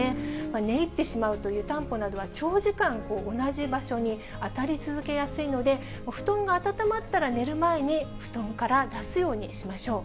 寝入ってしまうと、湯たんぽなどは長時間同じ場所に当たり続けやすいので、布団があたたまったら、寝る前に布団から出すようにしましょう。